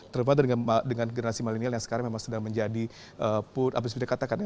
terutama dengan generasi milenial yang sekarang memang sedang menjadi apa sih bisa dikatakan